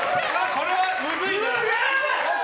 これはむずいな。